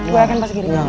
gua akan pas kiri